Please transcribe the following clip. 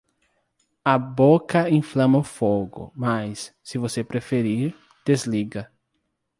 A boca inflama o fogo, mas, se você preferir, desliga.